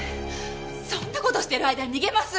そんな事してる間に逃げます！